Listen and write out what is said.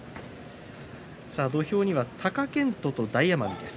土俵は貴健斗と大奄美です。